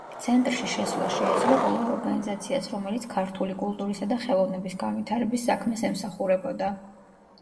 ცენტრში შესვლა შეეძლო ყველა ორგანიზაციას, რომელიც ქართული კულტურისა და ხელოვნების განვითარების საქმეს ემსახურებოდა.